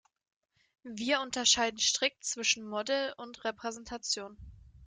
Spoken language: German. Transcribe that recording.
Wir unterscheiden strikt zwischen Modell und Repräsentation.